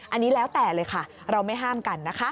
อันนี้แล้วแต่เลยค่ะเราไม่ห้ามกันนะคะ